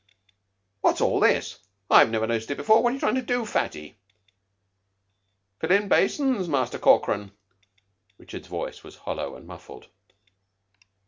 "What's all this? I've never noticed it before. What are you tryin' to do, Fatty?" "Fillin' basins, Muster Corkran." Richards's voice was hollow and muffled.